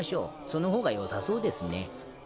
その方がよさそうですね。